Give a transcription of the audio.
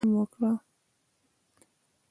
هغه هغې ته په درناوي د سپوږمۍ کیسه هم وکړه.